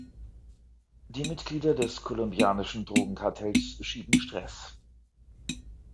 Die Mitglieder des kolumbianischen Drogenkartells schieben Stress.